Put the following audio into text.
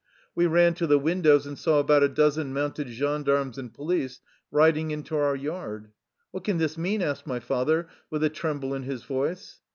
We ran to the windows and saw about a dozen mounted gendarmes and police riding into our yard. "What can this mean?" asked my father, with a tremble in his voice.